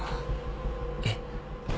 えっ？